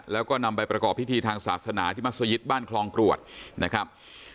แล้วก็นำไปประกอบพิธีทางศาสนาที่มัศยิตบ้านคลองกรวดนะครับ